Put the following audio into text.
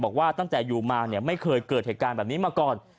บอกว่าตั้งแต่อยู่มาเนี่ยไม่เคยเกิดเหตุการณ์แบบนี้มาก่อน